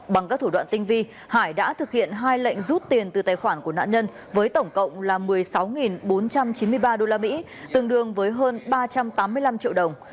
bằng các thủ đoạn tinh vi hải đã thực hiện hai lệnh rút tiền từ tài khoản của nạn nhân với tổng cộng là một mươi sáu bốn trăm chín mươi ba usd tương đương với hơn ba trăm tám mươi năm triệu đồng